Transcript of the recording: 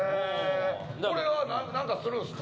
これは何かするんですか？